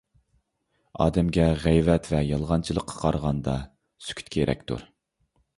ئادەمگە غەيۋەت ۋە يالغانچىلىققا قارىغاندا، سۈكۈت كېرەكتۇر.